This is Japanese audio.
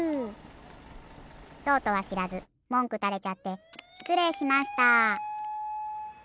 そうとはしらずもんくたれちゃってしつれいしました。